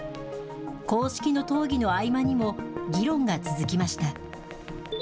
公式の討議の合間にも、議論が続きました。